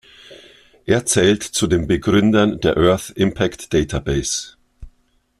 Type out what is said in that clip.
Er zählt zu den Begründern der Earth Impact Database.